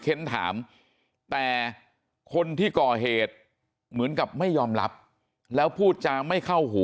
เค้นถามแต่คนที่ก่อเหตุเหมือนกับไม่ยอมรับแล้วพูดจาไม่เข้าหู